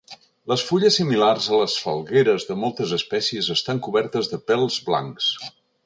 Les fulles similars a les falgueres de moltes espècies estan cobertes de pèls blancs.